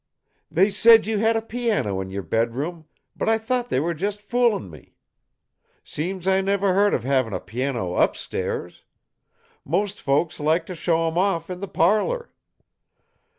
"They said you had a piano in your bedroom, but I thought they were just foolin' me! Seems I never heard of havin' a piano upstairs. Most folks like to show 'em off in the parlor.